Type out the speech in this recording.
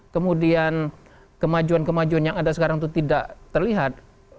kemudian kemajuan kemajuan yang ada sekarang itu tidak terlihat